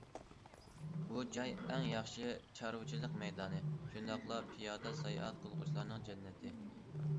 بۇ جاي ئەڭ ياخشى چارۋىچىلىق مەيدانى، شۇنداقلا پىيادە ساياھەت قىلغۇچىلارنىڭ جەننىتى.